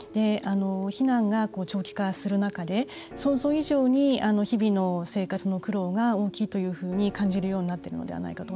避難が長期化する中で想像以上に日々の生活の苦労が大きいというふうに感じるようになっているのではないかと。